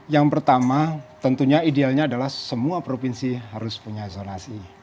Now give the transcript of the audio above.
yang pertama tentunya idealnya adalah semua provinsi harus punya zonasi